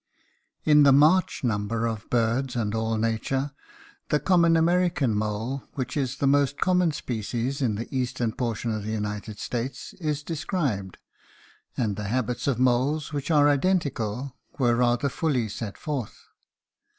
In the March number of BIRDS AND ALL NATURE the common American mole, which is the most common species in the eastern portion of the United States, is described, and the habits of moles, which are identical, were rather fully set forth.